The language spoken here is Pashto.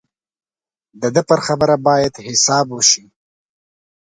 د ده پر خبره باید حساب وشي.